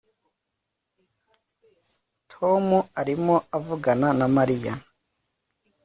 Tom arimo avugana na Mariya